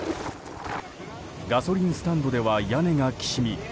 ガソリンスタンドでは屋根がきしみ